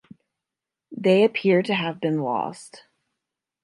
They appear to have been lost.